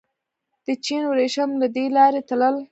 د چین وریښم له دې لارې تلل